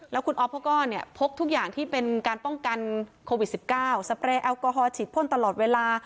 แล้วคุณอ๊อฟเขาก็เนี่ยพกทุกอย่างที่เป็นการป้องกันโควิด๑๙สเปรย์แอลกอฮอลฉีดพ่นตลอดเวลา